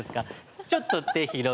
ちょっと手広げて。